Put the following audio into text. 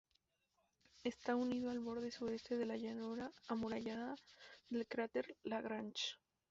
Está unido al borde sureste de la llanura amurallada del cráter Lagrange.